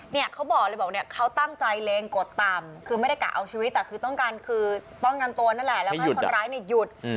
เนี่ยเขาบอกเลยบอกเนี่ยเขาตั้งใจเลงกดต่ำคือไม่ได้กะเอาชีวิตแต่คือต้องการคือป้องกันตัวนั่นแหละแล้วก็ให้คนร้ายเนี่ยหยุด